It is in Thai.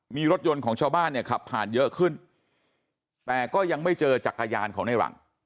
มีรถยนต์ของชาวบ้านเนี่ยขับผ่านเยอะขึ้นแต่ก็ยังไม่เจอจักรยานของในหลัง